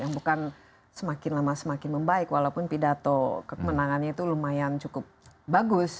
yang bukan semakin lama semakin membaik walaupun pidato kemenangannya itu lumayan cukup bagus